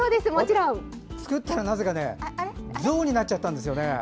作ったら、なぜかゾウになっちゃったんです。